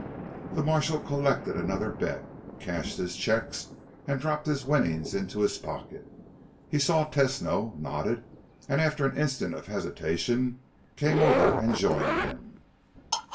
The marshal collected another bet, cashed his checks, and dropped his winnings into his pocket. He saw Tesno, nodded, and after an instant of hesitation came over and joined him.